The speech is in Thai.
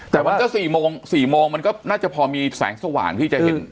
แต่มันก็สี่โมงน่าจะพอมีแสงสว่างที่จะเห็น